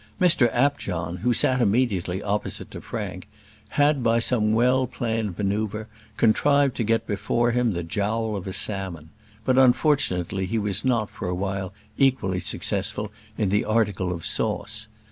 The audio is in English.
Mr Apjohn, who sat immediately opposite to Frank, had, by some well planned manoeuvre, contrived to get before him the jowl of a salmon; but, unfortunately, he was not for a while equally successful in the article of sauce.